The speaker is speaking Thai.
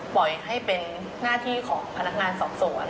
ปล่อยให้เป็นหน้าที่ของพนักงานสอบสวน